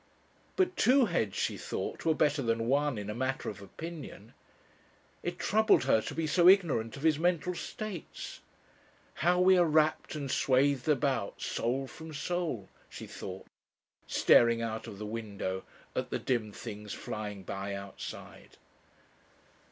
But two heads, she thought, were better than one in a matter of opinion. It troubled her to be so ignorant of his mental states. "How we are wrapped and swathed about soul from soul!" she thought, staring out of the window at the dim things flying by outside.